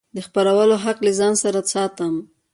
د خپرولو حق له ځان سره ساتم.